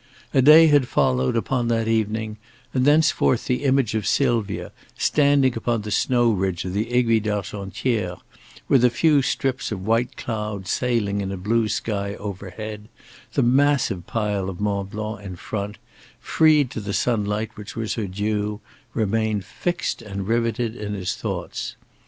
A day had followed upon that evening; and thenceforth the image of Sylvia standing upon the snow ridge of the Aiguille d'Argentière, with a few strips of white cloud sailing in a blue sky overhead, the massive pile of Mont Blanc in front, freed to the sunlight which was her due, remained fixed and riveted in his thoughts.